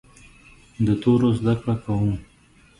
د تورو زده کړه کوم.